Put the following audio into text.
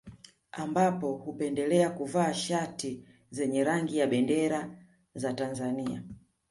Ambapo hupendelea kuvaa shati zenye rangi ya bendera za Tanzania